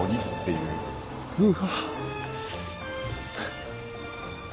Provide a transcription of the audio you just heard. うわ。